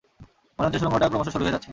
মনে হচ্ছে সুরঙ্গটা ক্রমশ সরু হয়ে যাচ্ছে।